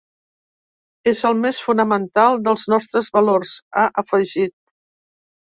“És el més fonamental dels nostres valors”, ha afegit.